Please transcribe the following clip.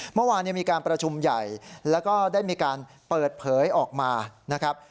เมื่อวานมีการประชุมใหญ่แล้วก็ได้มีการเปิดเผยออกมานะครับ